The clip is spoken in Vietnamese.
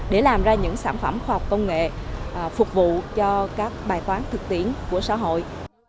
để làm ra những sản phẩm khoa học công nghệ phục vụ cho các bài toán thực tiễn của xã hội